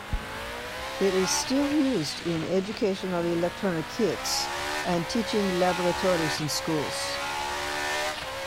It is still used in educational electronic kits and teaching laboratories in schools.